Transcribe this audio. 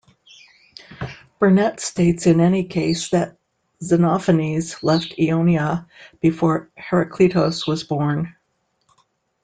Burnet states in any case that ... Xenophanes left Ionia before Herakleitos was born.